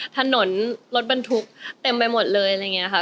ถนนรถบรรทุกเต็มไปหมดเลยอะไรอย่างนี้ค่ะ